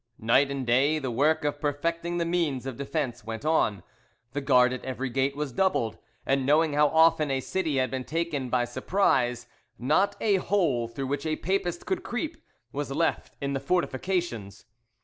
Night and day the work of perfecting the means of defence went on; the guard at every gate was doubled, and knowing how often a city had been taken by surprise, not a hole through which a Papist could creep was left in the fortifications.